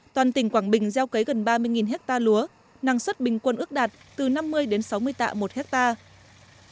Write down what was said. toàn tỉnh quảng bình gieo cấy gần ba mươi hectare lúa năng suất bình quân ước đạt từ năm mươi đến sáu mươi tạ một hectare